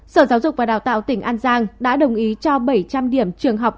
sở giáo dục và đào tạo tỉnh an giang đã đồng ý cho bảy trăm linh điểm trường học